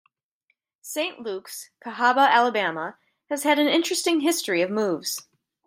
Saint Luke's, Cahaba, Alabama, has had an interesting history of moves.